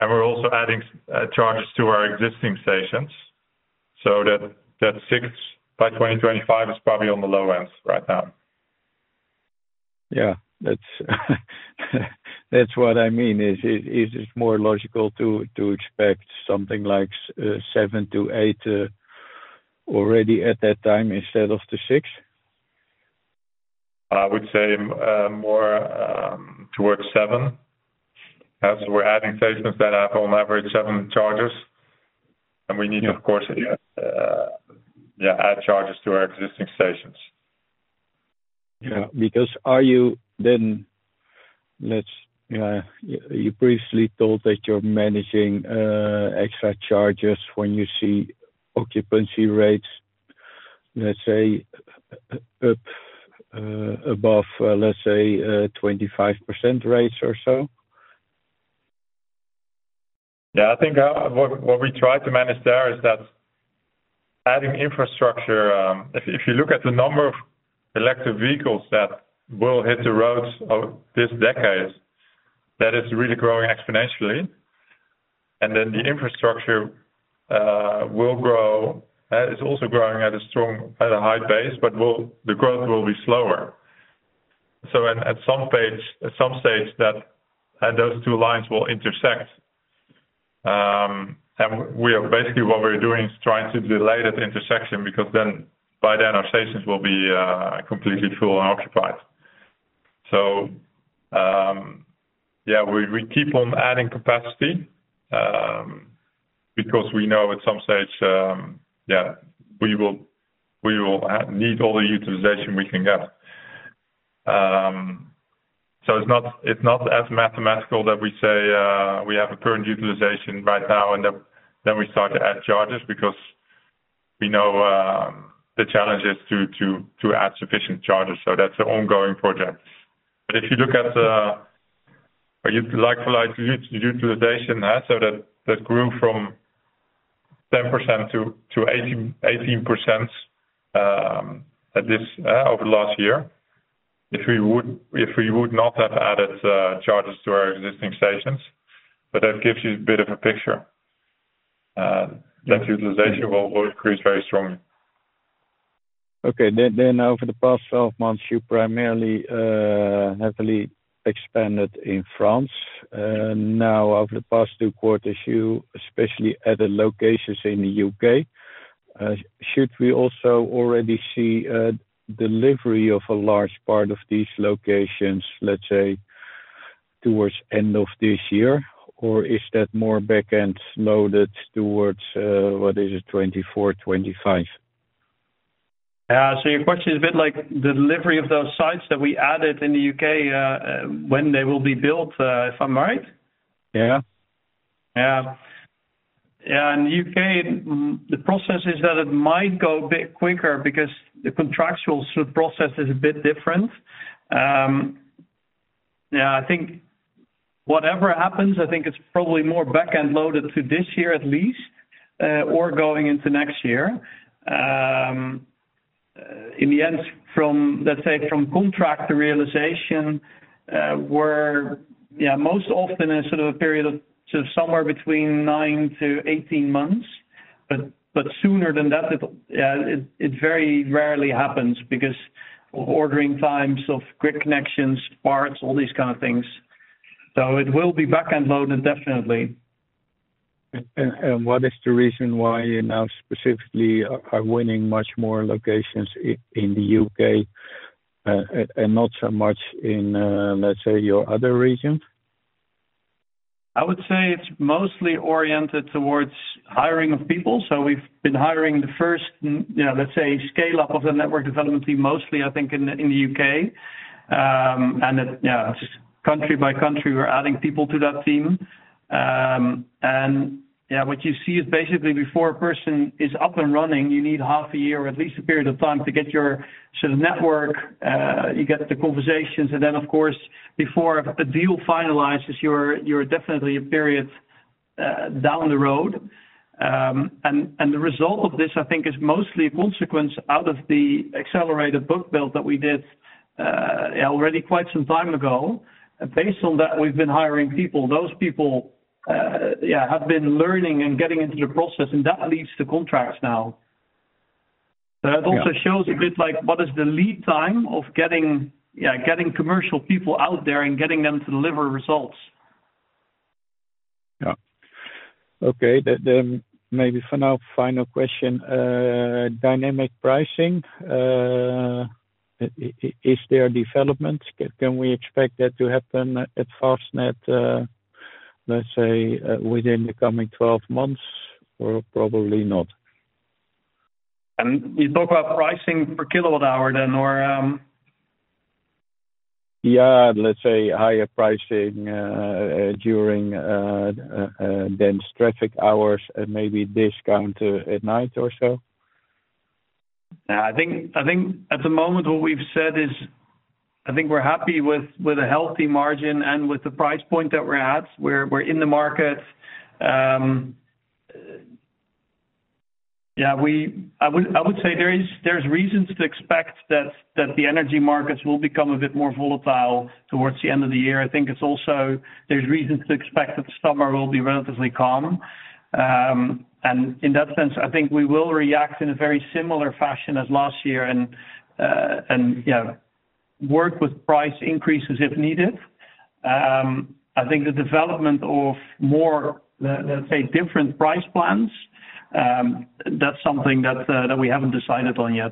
We're also adding chargers to our existing stations so that six by 2025 is probably on the low end right now. Yeah. That's what I mean. Is it more logical to expect something like seven to eight already at that time instead of the six? I would say, more, towards seven as we're adding stations that have on average seven chargers. We need to of course, add chargers to our existing stations. Yeah. You briefly told that you're managing extra chargers when you see occupancy rates, let's say, up above, let's say, 25% rates or so. Yeah. I think, what we try to manage there is that adding infrastructure, if you look at the number of electric vehicles that will hit the roads of this decade, that is really growing exponentially. The infrastructure will grow. It's also growing at a strong, at a high base, but the growth will be slower. At some phase, at some stage that those two lines will intersect. We are basically, what we're doing is trying to delay that intersection because then by then our stations will be completely full and occupied. Yeah, we keep on adding capacity, because we know at some stage, we will need all the utilization we can get. It's not as mathematical that we say, we have a current utilization right now and then we start to add chargers because we know the challenge is to add sufficient chargers. That's an ongoing project. If you look at utilization, so that grew from 10%-18% at this over last year, if we would not have added chargers to our existing stations. That gives you a bit of a picture that utilization will increase very strongly. Okay. over the past 12 months, you primarily heavily expanded in France. now over the past two quarters, you especially added locations in the U.K. should we also already see a delivery of a large part of these locations, let's say towards end of this year? Is that more back-end loaded towards, what is it? 2024, 2025? Your question is a bit like delivery of those sites that we added in the U.K., when they will be built, if I'm right? Yeah. Yeah, in U.K., the process is that it might go a bit quicker because the contractual sort of process is a bit different. Yeah, I think whatever happens, I think it's probably more back-end loaded to this year at least, or going into next year. In the end from, let's say, from contract to realization, we're most often in sort of a period of somewhere between nine to 18 months, but sooner than that it very rarely happens because of ordering times of grid connections, parts, all these kind of things. It will be back-end loaded definitely. What is the reason why you now specifically are winning much more locations in the U.K., and not so much in, let's say your other regions? I would say it's mostly oriented towards hiring of people. We've been hiring the first you know, let's say scale up of the network development team, mostly I think in the U.K. It, yeah, country by country, we're adding people to that team. What you see is basically before a person is up and running, you need half a year or at least a period of time to get your sort of network, you get the conversations and then of course, before a deal finalizes, you're definitely a period down the road. The result of this, I think is mostly a consequence out of the accelerated book build that we did already quite some time ago. Based on that, we've been hiring people. Those people, yeah, have been learning and getting into the process, and that leads to contracts now. Yeah. It also shows a bit like what is the lead time of getting, yeah, getting commercial people out there and getting them to deliver results. Yeah. Okay. Then maybe for now, final question. Dynamic pricing, is there developments? Can we expect that to happen at Fastned, let's say, within the coming 12 months or probably not? You talk about pricing per kilowatt hour then, or? Yeah. Let's say higher pricing, during dense traffic hours and maybe discount, at night or so. Yeah. I think at the moment what we've said is, I think we're happy with a healthy margin and with the price point that we're at. We're in the market. Yeah, I would say there's reasons to expect that the energy markets will become a bit more volatile towards the end of the year. I think it's also, there's reasons to expect that the summer will be relatively calm. In that sense, I think we will react in a very similar fashion as last year, and you know, work with price increases if needed. I think the development of more, let's say different price plans, that's something that we haven't decided on yet.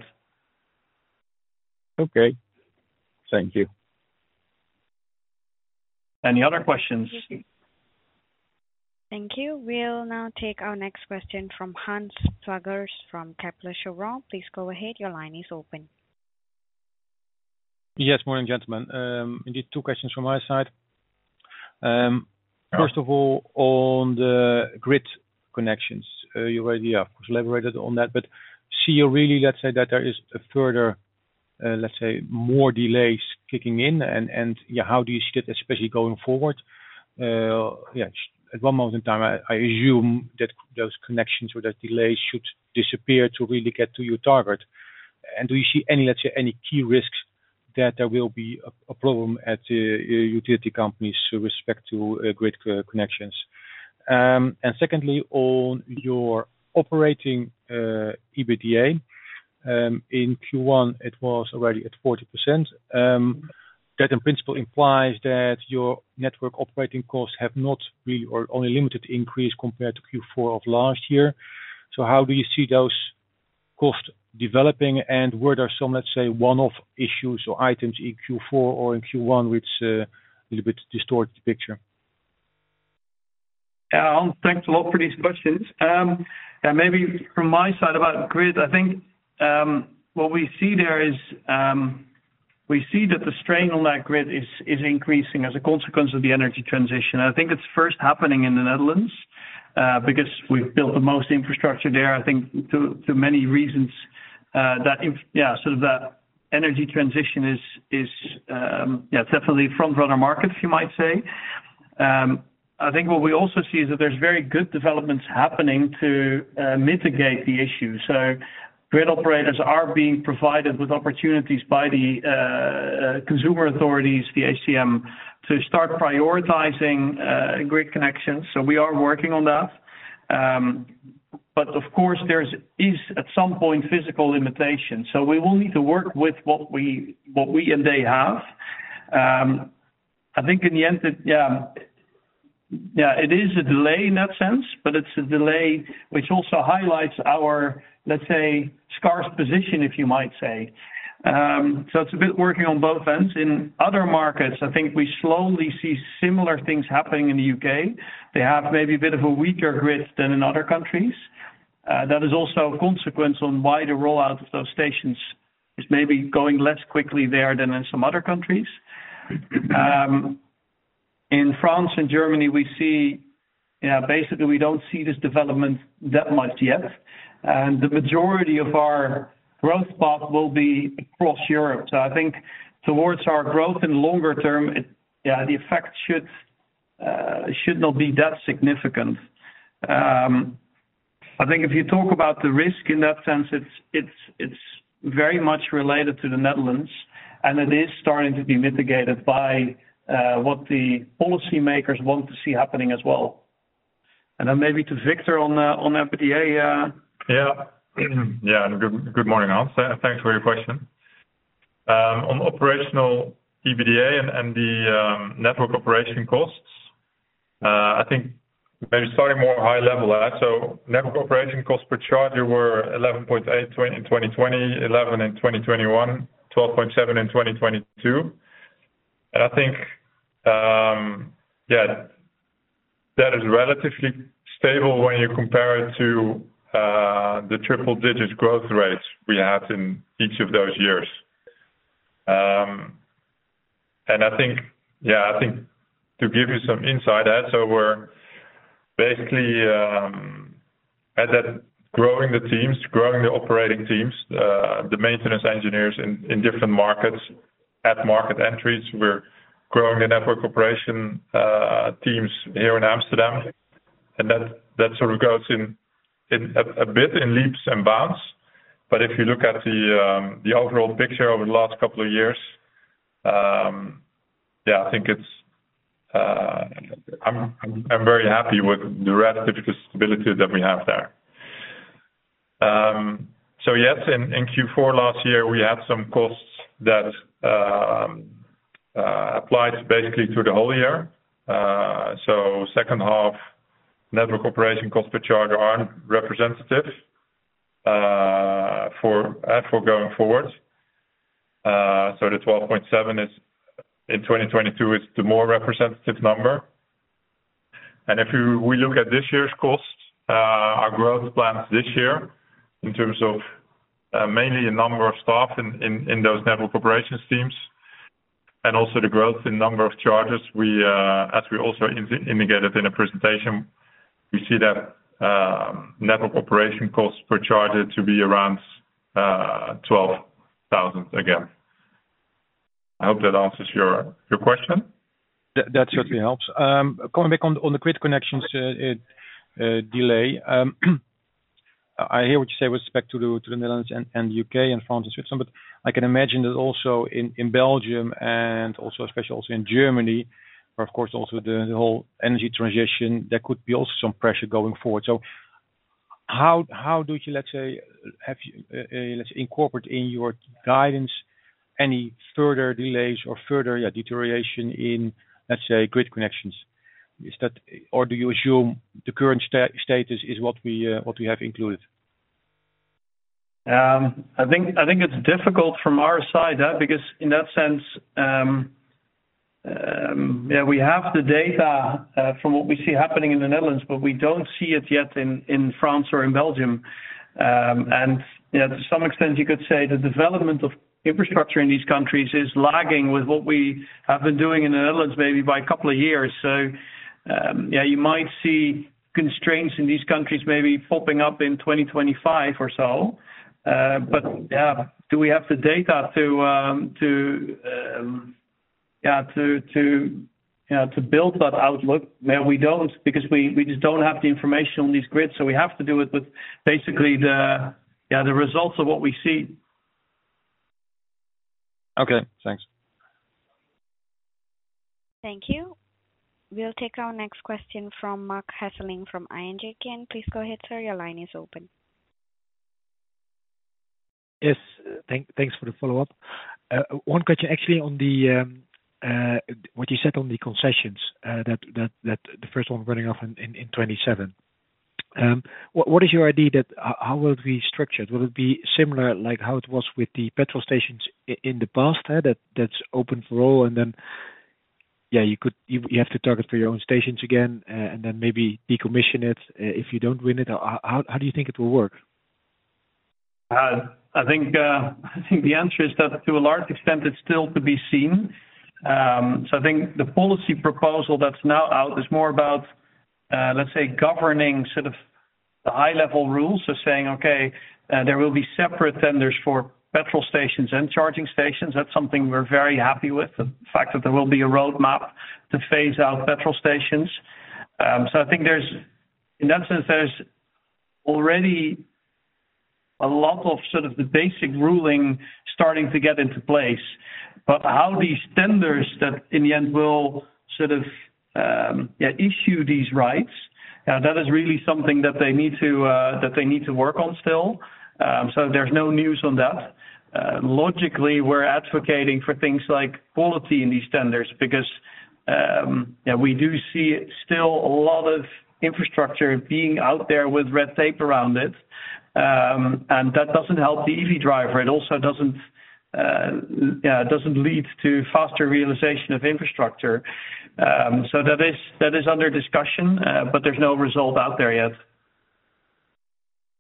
Okay. Thank you. Any other questions? Thank you. We'll now take our next question from [Hans Swagers] from Kepler Cheuvreux. Please go ahead. Your line is open. Yes. Morning, gentlemen. indeed, two questions from my side. Yeah. First of all, on the grid connections, you already have collaborated on that, see you really that there is a further more delays kicking in, how do you see that, especially going forward? At one moment in time, I assume that those connections or those delays should disappear to really get to your target. Do you see any any key risks that there will be a problem at utility companies with respect to grid connections? Secondly, on your operating EBITDA, in Q1 it was already at 40%. That in principle implies that your network operating costs have not really or only limited increase compared to Q4 of last year. How do you see those costs developing and were there some, let's say, one-off issues or items in Q4 or in Q1, which a little bit distort the picture? [Hans], thanks a lot for these questions. maybe from my side about grid, I think, what we see there is, we see that the strain on that grid is increasing as a consequence of the energy transition. I think it's first happening in the Netherlands because we've built the most infrastructure there. I think through many reasons, sort of the energy transition is definitely front runner market, if you might say. I think what we also see is that there's very good developments happening to mitigate the issue. grid operators are being provided with opportunities by the consumer authorities, the ACM, to start prioritizing grid connections. We are working on that. of course, there's at some point physical limitations. We will need to work with what we and they have. I think in the end it is a delay in that sense, but it's a delay which also highlights our, let's say, scarce position, if you might say. It's a bit working on both ends. In other markets, I think we slowly see similar things happening in the U.K. They have maybe a bit of a weaker grid than in other countries. That is also a consequence on why the rollout of those stations is maybe going less quickly there than in some other countries. In France and Germany we see, basically we don't see this development that much yet. The majority of our growth path will be across Europe. I think towards our growth in the longer term, the effect should not be that significant. I think if you talk about the risk in that sense, it's very much related to the Netherlands, and it is starting to be mitigated by what the policymakers want to see happening as well. Then maybe to Victor on AFIR. Yeah. Good morning, [Hans]. Thanks for your question. On operational EBITDA and the network operation costs, I think maybe starting more high level at that. Network operation costs per charger were 11,800 in 2020, 11,000 in 2021, 12,700 in 2022. I think, yeah, that is relatively stable when you compare it to the triple-digit growth rates we had in each of those years. I think, yeah, I think to give you some insight, as so we're basically, as at growing the teams, growing the operating teams, the maintenance engineers in different markets, at market entries, we're growing the network operation teams here in Amsterdam. That sort of goes in a bit in leaps and bounds. If you look at the overall picture over the last couple of years, yeah, I think it's, I'm very happy with the relative stability that we have there. Yes, in Q4 last year, we had some costs that applies basically to the whole year. Second half network operation cost per charger aren't representative for going forward. The 12,700 is, in 2022 is the more representative number. If you, we look at this year's costs, our growth plans this year in terms of mainly a number of staff in those network operations teams and also the growth in number of charges, we, as we also indicated in the presentation, we see that network operation costs per charger to be around 12,000 again. I hope that answers your question. That certainly helps. Going back on the grid connections, delay, I hear what you say with respect to the Netherlands and U.K. and France and Switzerland. I can imagine that also in Belgium and especially in Germany, of course, the whole energy transition, there could be some pressure going forward. How do you incorporate in your guidance any further delays or further deterioration in grid connections? Is that? Or do you assume the current status is what we have included? I think it's difficult from our side, because in that sense, yeah, we have the data, from what we see happening in the Netherlands, but we don't see it yet in France or in Belgium. You know, to some extent, you could say the development of infrastructure in these countries is lagging with what we have been doing in the Netherlands, maybe by a couple of years. Yeah, you might see constraints in these countries maybe popping up in 2025 or so. Yeah, do we have the data to, yeah, to, you know, to build that outlook? Yeah, we don't, because we just don't have the information on these grids. We have to do it with basically the, yeah, the results of what we see. Okay, thanks. Thank you. We'll take our next question from Marc Hesselink from ING. Please go ahead, sir. Your line is open. Yes. Thanks for the follow-up. One question actually on the what you said on the concessions, that the first one running off in 2027. What is your idea that, how will it be structured? Will it be similar, like how it was with the petrol stations in the past, that's open for all, and then, you have to target for your own stations again, and then maybe decommission it, if you don't win it. How do you think it will work? I think the answer is that to a large extent, it's still to be seen. I think the policy proposal that's now out is more about, let's say governing sort of the high level rules. Saying, okay, there will be separate tenders for petrol stations and charging stations. That's something we're very happy with, the fact that there will be a roadmap to phase out petrol stations. I think there's, in that sense, there's already a lot of, sort of the basic ruling starting to get into place. How these tenders that in the end will sort of, yeah, issue these rights, that is really something that they need to, that they need to work on still. There's no news on that. Logically, we're advocating for things like quality in these tenders because we do see still a lot of infrastructure being out there with red tape around it. That doesn't help the EV driver. It also doesn't lead to faster realization of infrastructure. That is under discussion, but there's no result out there yet.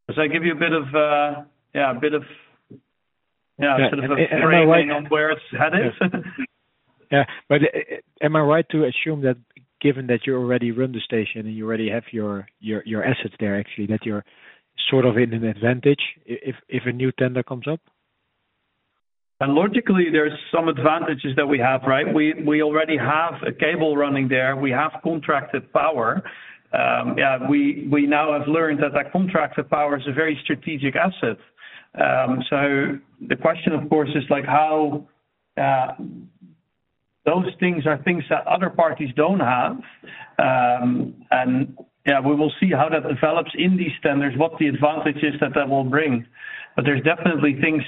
Does that give you a bit of sort of a framing on where it's headed? Yeah. Am I right to assume that given that you already run the station and you already have your assets there, actually, that you're sort of in an advantage if a new tender comes up? Logically, there's some advantages that we have, right? We already have a cable running there. We have contracted power. Yeah, we now have learned that that contracted power is a very strategic asset. The question, of course, is, like, how those things are things that other parties don't have. We will see how that develops in these tenders, what the advantages that will bring. There's definitely things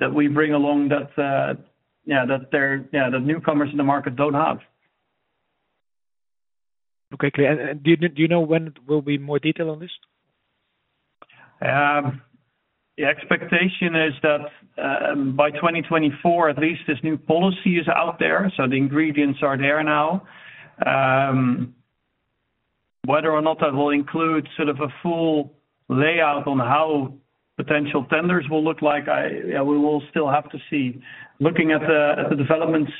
that we bring along that newcomers in the market don't have. Okay. Do you know when there will be more detail on this? The expectation is that by 2024, at least this new policy is out there, so the ingredients are there now. Whether or not that will include sort of a full layout on how potential tenders will look like, we will still have to see. Looking at the developments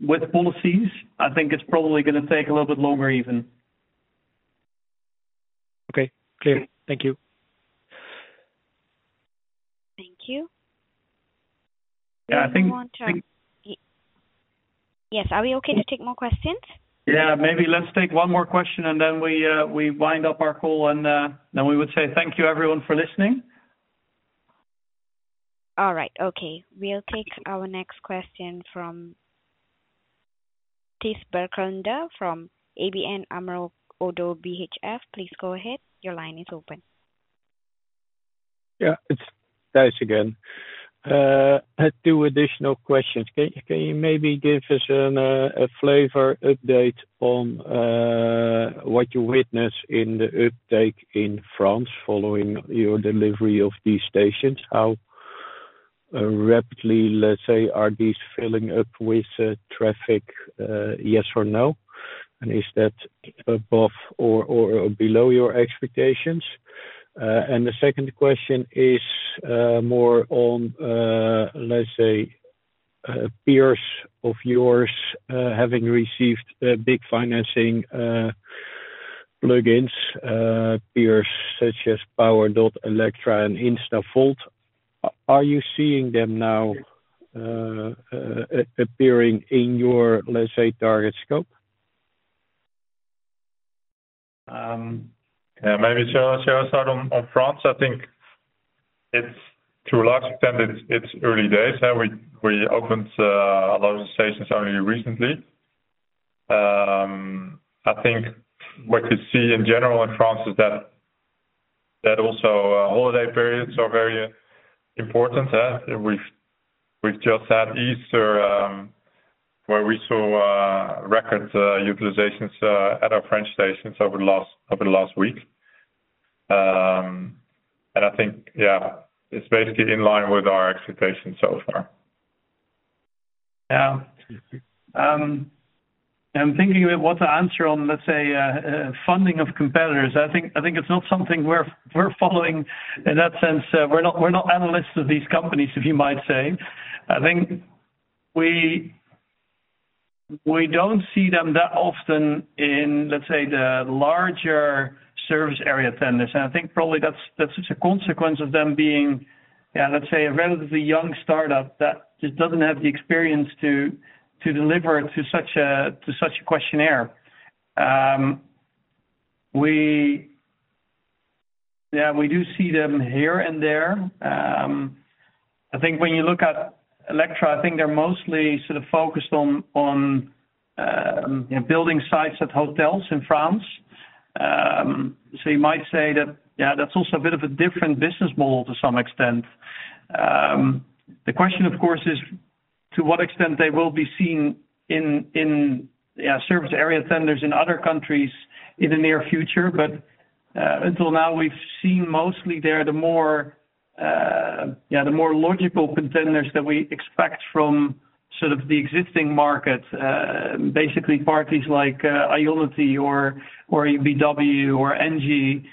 with policies, I think it's probably gonna take a little bit longer even. Okay. Clear. Thank you. Thank you. Yeah. Do you want to. Yes. Are we okay to take more questions? Yeah. Maybe let's take one more question and then we wind up our call and then we would say thank you everyone for listening. All right. Okay. We'll take our next question from Thijs Berkelder from ABN AMRO ODDO BHF. Please go ahead. Your line is open. It's Thijs again. I had two additional questions. Can you maybe give us an a flavor update on what you witness in the uptake in France following your delivery of these stations? How rapidly, let's say, are these filling up with traffic, yes or no? Is that above or below your expectations? The second question is more on, let's say, peers of yours having received big financing plug-ins, peers such as Powerdot, Electra and InstaVolt. Are you seeing them now appearing in your, let's say, target scope? Yeah, maybe shall I start on France? I think it's, to a large extent, it's early days. Yeah, we opened a lot of the stations only recently. I think what you see in general in France is that also holiday periods are very important. We've just had Easter, where we saw records utilizations at our French stations over the last week. I think, yeah, it's basically in line with our expectations so far. I'm thinking about what to answer on, let's say, funding of competitors. I think it's not something we're following in that sense. We're not analysts of these companies, if you might say. I think we don't see them that often in, let's say, the larger service area tenders. I think probably that's just a consequence of them being, let's say, a relatively young startup that just doesn't have the experience to deliver to such a questionnaire. We do see them here and there. I think when you look at Electra, I think they're mostly sort of focused on building sites at hotels in France. You might say that's also a bit of a different business model to some extent. The question, of course, is to what extent they will be seen in service area tenders in other countries in the near future. Until now, we've seen mostly they're the more logical contenders that we expect from sort of the existing market, basically parties like IONITY or EVBox or ENGIE.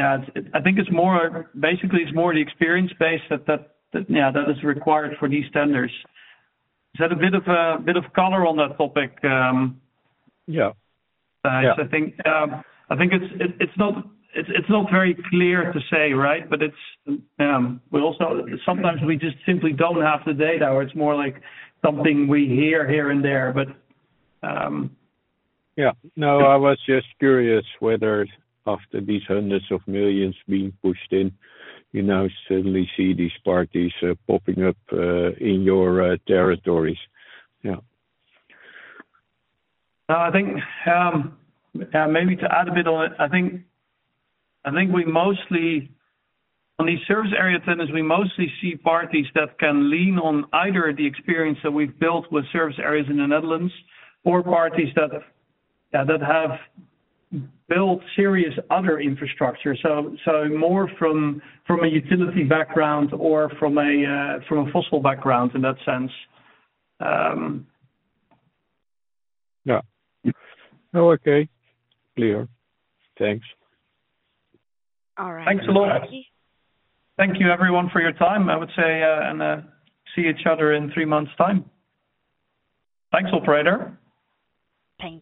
I think it's more, basically, it's more the experience base that is required for these tenders. Is that a bit of color on that topic? Yeah. Thijs, I think it's not very clear to say, right? It's, we also sometimes we just simply don't have the data, or it's more like something we hear here and there. Yeah. No, I was just curious whether after these hundreds of millions being pushed in, you now suddenly see these parties, popping up, in your territories? No, I think, yeah, maybe to add a bit on it. I think we mostly on these service area tenders, we mostly see parties that can lean on either the experience that we've built with service areas in the Netherlands or parties that have built serious other infrastructure. More from a utility background or from a fossil background in that sense. Yeah. Oh, okay. Clear. Thanks. All right. Thank you. Thanks a lot. Thank you everyone for your time, I would say, and see each other in three months time. Thanks, operator. Thank you.